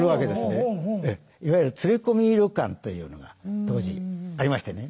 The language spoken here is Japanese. いわゆる連れ込み旅館というのが当時ありましてね。